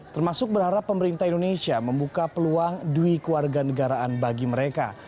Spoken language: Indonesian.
termasuk berharap pemerintah indonesia membuka peluang dui keluarga negaraan bagi mereka